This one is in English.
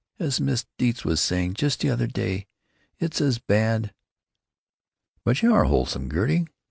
As Miss Deitz was saying just the other day, it's as bad——" "But you are wholesome, Gertie.